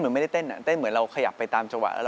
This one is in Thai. เอ้ยไม่มีรึทักด้วย